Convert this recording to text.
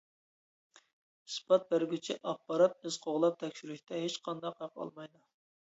ئىسپات بەرگۈچى ئاپپارات ئىز قوغلاپ تەكشۈرۈشتە ھېچقانداق ھەق ئالمايدۇ.